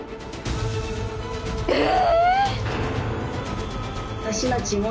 えっ？